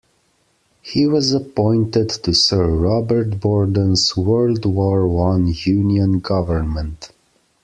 He was appointed to Sir Robert Borden's World War One Union government.